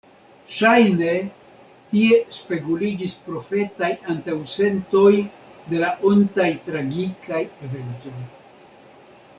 Ŝajne, tie speguliĝis profetaj antaŭsentoj de la ontaj tragikaj eventoj.